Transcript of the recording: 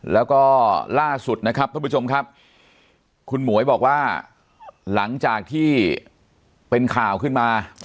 แล้วก็ล่าสุดนะครับท่านผู้ชมครับคุณหมวยบอกว่าหลังจากที่เป็นข่าวขึ้นมา